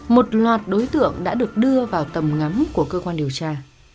một loạt đối tượng đã được đưa vào tầm ngắm của cơ quan điều tra